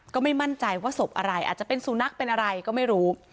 ก็ไม่มั่นใจว่าศพอะไรอาจจะเป็นสุนัขเป็นอะไรก็ไม่รู้